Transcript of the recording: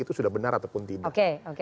itu sudah benar ataupun tidak